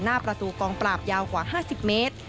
หน้าประตูกองปราบยาวกว่า๕๐เมตร